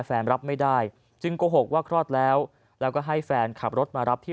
รับไม่ได้จึงโกหกว่าคลอดแล้วแล้วก็ให้แฟนขับรถมารับที่